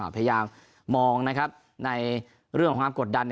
พยายามมองในเรื่องของความกดดัน